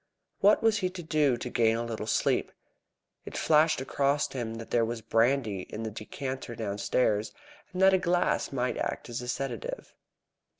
What was he to do to gain a little sleep? It flashed across him that there was brandy in the decanter downstairs, and that a glass might act as a sedative.